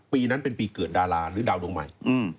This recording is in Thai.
ปีนั้นเป็นปีเกิดดาราหรือดาวดวงใหม่